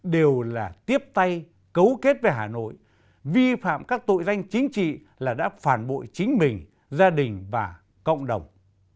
đều là tiếp tay cấu kết với hà nội vi phạm các tội danh chính trị là đã phản bội chính mình gia đình và cộng đồng